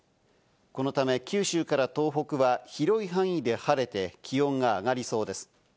このため九州から東北は広い範囲で晴れて気温が上がりそうです。